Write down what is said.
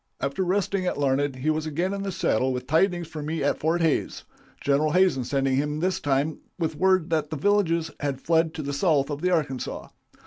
After resting at Larned he was again in the saddle with tidings for me at Fort Hays, General Hazen sending him this time with word that the villages had fled to the south of the Arkansas.